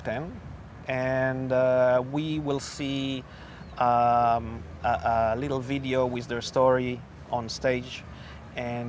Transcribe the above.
dan kami akan melihat video sedikit dengan cerita mereka di atas panggung